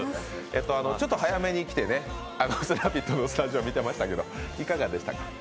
ちょっと早めに来て「ラヴィット！」のスタジオ見てましたが、いかがでしたか？